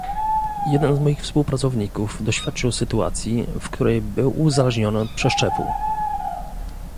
Jeden z moich współpracowników doświadczył sytuacji, w której był uzależniony od przeszczepu